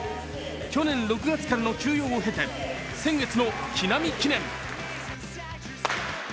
去年６月からの休養を経て、先月の木南記念。